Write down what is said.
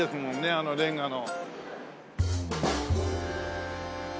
あのレンガの。